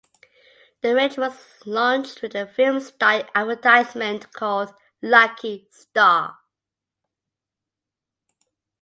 The range was launched with a film style advertisement called "Lucky Star".